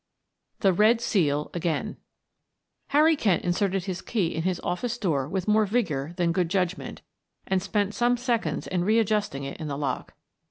THE RED SEAL AGAIN Harry Kent inserted his key in his office door with more vigor than good judgment, and spent some seconds in re adjusting it in the lock.